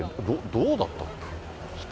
どうだったっけ？